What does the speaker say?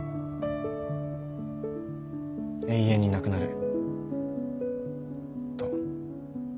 永遠になくなると。